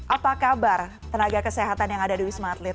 apa kabar tenaga kesehatan yang ada di wisma atlet